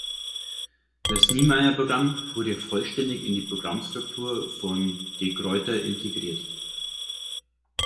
Das Niemeyer-Programm wurde vollständig in die Programmstruktur von De Gruyter integriert.